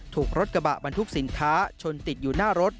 ถูกรถกระบะบรรทุกสินค้าชนติดอยู่หน้ารถ